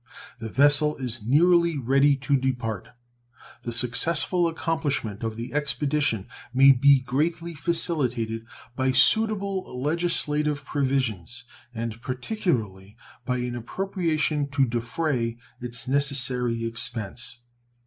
The vessel is nearly ready to depart. The successful accomplishment of the expedition may be greatly facilitated by suitable legislative provisions, and particularly by an appropriation to defray its necessary expense.